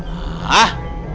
pt tuh apaan tuh